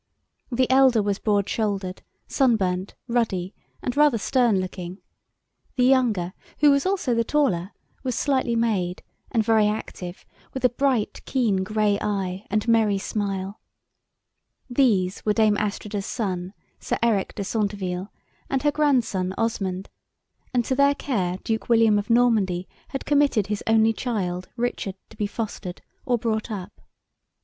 The elder was broad shouldered, sun burnt, ruddy, and rather stern looking; the younger, who was also the taller, was slightly made, and very active, with a bright keen grey eye, and merry smile. These were Dame Astrida's son, Sir Eric de Centeville, and her grandson, Osmond; and to their care Duke William of Normandy had committed his only child, Richard, to be fostered, or brought up.